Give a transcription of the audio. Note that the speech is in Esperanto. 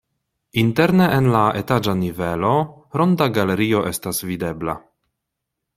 Interne en la etaĝa nivelo ronda galerio estas videbla.